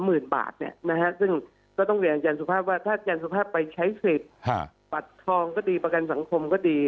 ซึ่งก็ต้องเรียนจริงจริงสุภาพว่าถ้าจริงสุภาพไปใช้เสร็จปัดทองก็ดีประกันสังคมก็ดี